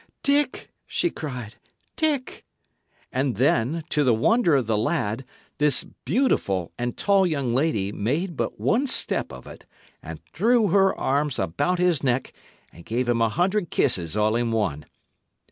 "Dick!" she cried. "Dick!" And then, to the wonder of the lad, this beautiful and tall young lady made but one step of it, and threw her arms about his neck and gave him a hundred kisses all in one.